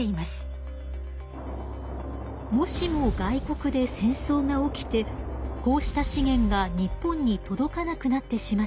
もしも外国で戦争が起きてこうした資源が日本に届かなくなってしまったら。